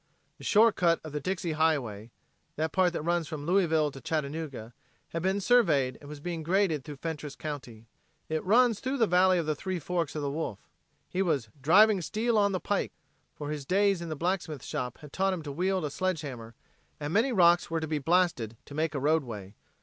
The shortcut of the Dixie Highway that part that runs from Louisville to Chattanooga had been surveyed and was being graded through Fentress county. It runs through the "Valley of the Three Forks o' the Wolf," He was "driving steel on the pike," for his days in the blacksmith shop had taught him to wield a sledgehammer and many rocks were to be blasted to make a roadway.